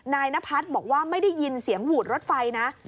นายนพัฒน์บอกว่าไม่ได้ยินเสียงหวูดรถไฟนะ